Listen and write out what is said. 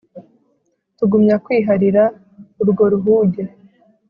tugumya kwiharira urwo ruhuge,